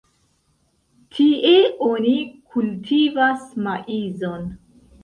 Tie oni kultivas maizon.